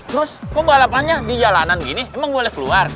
terus kok balapannya di jalanan gini emang boleh keluar